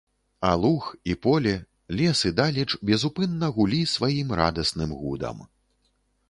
А луг, і поле, лес і далеч безупынна гулі сваім радасным гудам.